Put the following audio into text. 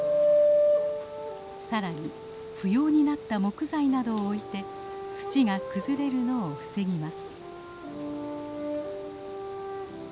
さらに不要になった木材などを置いて土が崩れるのを防ぎます。